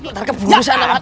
ntar keburu sana mat